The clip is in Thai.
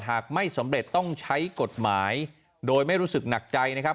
หากไม่สำเร็จต้องใช้กฎหมายโดยไม่รู้สึกหนักใจนะครับ